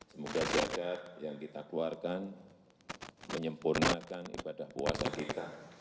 semoga zakat yang kita keluarkan menyempurnakan ibadah puasa kita